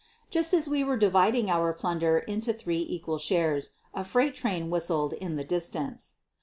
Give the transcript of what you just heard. Just as we were dividing our plunder into three j equal shares a freight train whistled in the dis tance.